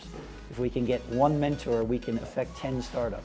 jika kita dapat satu mentor kita bisa mempengaruhi sepuluh startup